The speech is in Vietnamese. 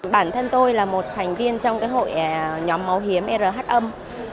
bản thân tôi là một thành viên trong hội nhóm máu hiếm rh âm